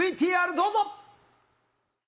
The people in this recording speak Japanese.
ＶＴＲどうぞ！